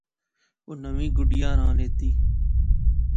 اوہ نویں گڈیا راں لیتھِی